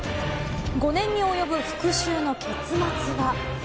５年に及ぶ復讐の結末は。